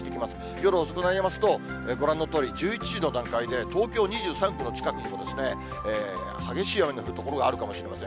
夜遅くなりますと、ご覧のとおり、１１時の段階で東京２３区の近くにも、激しい雨の降る所があるかもしれません。